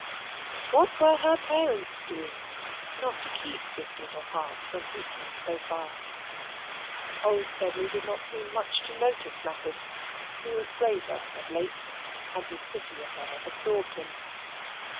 What were her parents doing, not to keep this little heart from beating so fast? Old Sedley did not seem much to notice matters. He was graver of late, and his City affairs absorbed him.